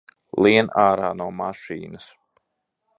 Lien ārā no mašīnas!